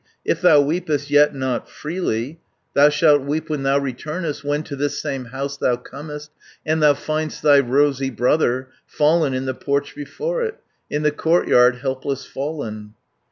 If thou weepest yet not freely, Thou shalt weep when thou returnest, 370 When to this same house thou comest, And thou find'st thy rosy brother Fallen in the porch before it, In the courtyard helpless fallen.